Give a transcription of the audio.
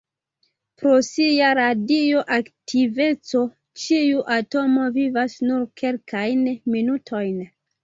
Pro sia radioaktiveco, ĉiu atomo vivas nur kelkajn minutojn.